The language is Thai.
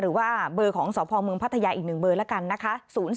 หรือว่าเบอร์ของสพเมืองพัทยาอีก๑เบอร์แล้วกันนะคะ